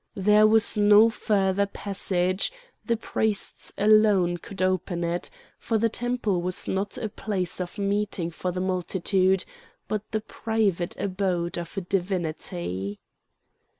There was no further passage; the priests alone could open it; for the temple was not a place of meeting for the multitude, but the private abode of a divinity.